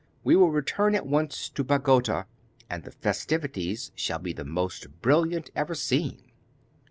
We will return at once to Bagota, and the festivities shall be the most brilliant ever seen.